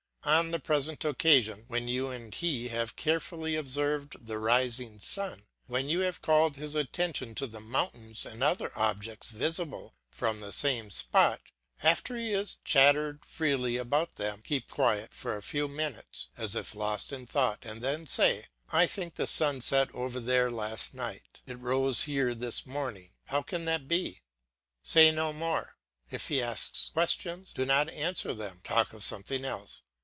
On the present occasion when you and he have carefully observed the rising sun, when you have called his attention to the mountains and other objects visible from the same spot, after he has chattered freely about them, keep quiet for a few minutes as if lost in thought and then say, "I think the sun set over there last night; it rose here this morning. How can that be?" Say no more; if he asks questions, do not answer them; talk of something else.